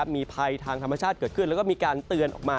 มีภัยทางธรรมชาติเกิดขึ้นแล้วก็มีการเตือนออกมา